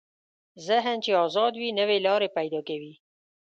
ذهن چې ازاد وي، نوې لارې پیدا کوي.